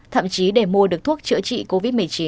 thậm chí để mua được thuốc chữa trị covid một mươi chín